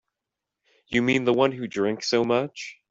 You mean the one who drank so much?